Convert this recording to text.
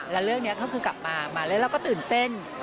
แล้วเรื่องนี้ก็คือกลับมาแล้วเราก็ตื่นเต้น